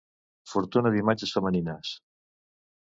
Fortuna d'imatges femenines.